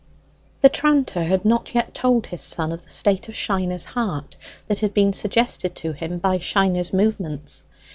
The tranter had not yet told his son of the state of Shiner's heart that had been suggested to him by Shiner's movements.